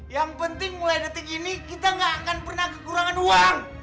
yang penting mulai detik ini kita gak akan pernah kekurangan uang